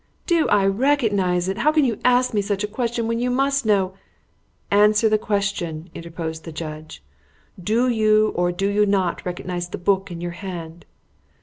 "Do I recognise it! How can you ask me such a question when you must know " "Answer the question," interposed the judge. "Do you or do you not recognise the book in your hand?"